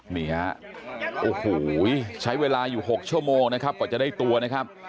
นี่ฮะโอ้โหใช้เวลาอยู่๖ชั่วโมงนะครับกว่าจะได้ตัวนะครับ